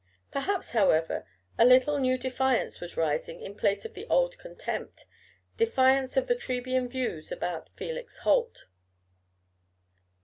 Perhaps, however, a little new defiance was rising in place of the old contempt defiance of the Trebian views about Felix Holt.